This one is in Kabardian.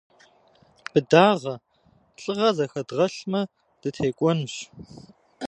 Быдагъэ, лӏыгъэ зыхэдгъэлъмэ, дытекӏуэнущ.